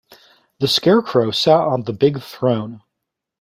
The Scarecrow sat on the big throne.